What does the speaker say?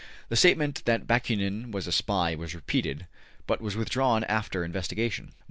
The statement that Bakunin was a spy was repeated, but was withdrawn after investigation.